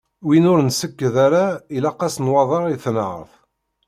Win ur nsekked ara ilaq-as nwaḍer i tenhert.